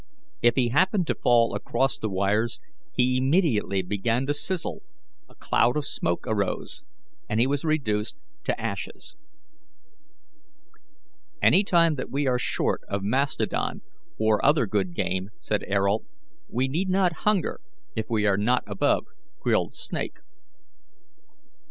If he happened to fall across the wires, lie immediately began to sizzle, a cloud of smoke arose, and lie was reduced to ashes. "Any time that we are short of mastodon or other good game," said Ayrault, "we need not hunger if we are not above grilled snake."